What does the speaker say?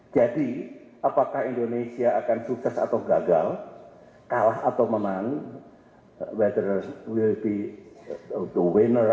jadi apakah indonesia akan sukses atau gagal kalah atau menang whether we'll be the winner